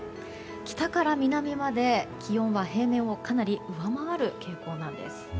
北から南まで、気温は平年をかなり上回る傾向なんです。